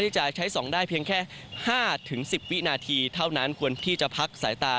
จะใช้ส่องได้เพียงแค่๕๑๐วินาทีเท่านั้นควรที่จะพักสายตา